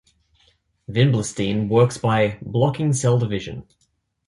Vinblastine works by blocking cell division.